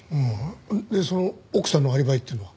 でその奥さんのアリバイっていうのは？